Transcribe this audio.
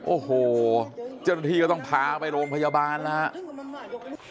โอ้โหเจ้าหน้าที่ก็ต้องพาไปโรงพยาบาลนะครับ